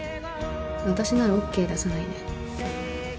私ならＯＫ出さないね。